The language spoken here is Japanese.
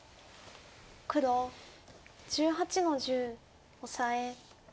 黒１８の十オサエ。